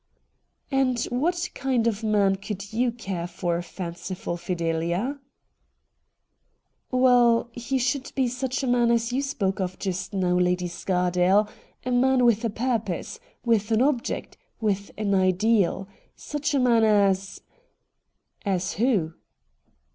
' And what kind of man could you care for, fanciful Fidelia ?' 'Well, he should be such a man as you spoke of just now. Lady Scardale ; a man with a purpose, with an object, with an ideal. Such a man as '' As who